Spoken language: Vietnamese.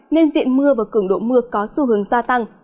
nên diện mưa và cường độ mưa có xu hướng gia tăng